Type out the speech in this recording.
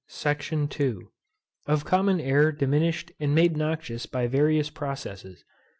SECTION II. _Of COMMON AIR diminished and made noxious by various processes.